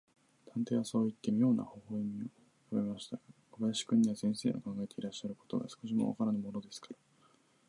探偵はそういって、みょうな微笑をうかべましたが、小林君には、先生の考えていらっしゃることが、少しもわからぬものですから、